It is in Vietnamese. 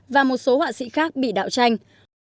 và một số họa sĩ khác bị đạo tranh